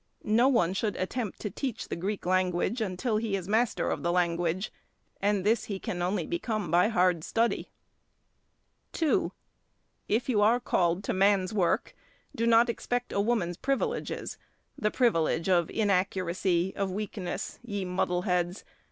No one should attempt to teach the Greek language until he is master of the language; and this he can only become by hard study. 2. If you are called to man's work, do not exact a woman's privileges—the privilege of inaccuracy, of weakness, ye muddleheads.